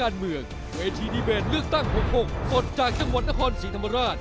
เดี๋ยวนี้มันมีโซเชียลมันมีสื่อสาร